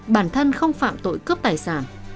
bản thân không phạm tội cướp tài sản